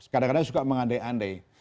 kadang kadang suka mengandai andai